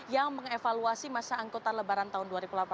yang mengevaluasi masa angkutan lebaran tahun dua ribu delapan belas